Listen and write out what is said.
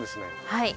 はい。